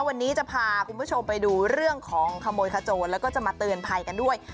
วันนี้จะพาคุณผู้ชมไปดูเรื่องของขโมยขโจรแล้วก็จะมาเตือนภัยกันด้วย